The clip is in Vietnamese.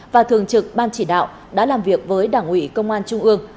và thường trực ban chỉ đạo đã làm việc với đảng ủy công an trung ương